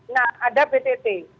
nah ada btt